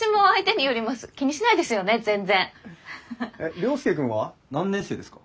涼介くんは何年生ですか？